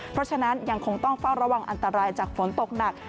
เพราะฉะนั้นยังคงต้องเฝ้าระวังอันตรายจากฝนตกหนัก